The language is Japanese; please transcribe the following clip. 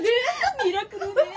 ミラクルねぇ。